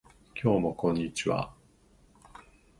今日もこんにちは